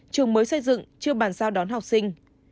trường mới xây dựng chưa bàn giao đón học sinh